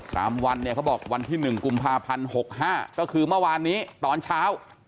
วันเนี่ยเขาบอกวันที่๑กุมภาพันธ์๖๕ก็คือเมื่อวานนี้ตอนเช้า